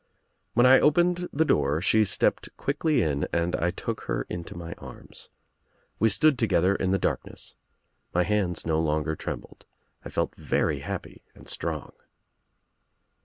When I opened the door she stepped quickly in and I took her into my arms. We stood together in the darkness. My hands no longer trembled. I felt very happy and strong.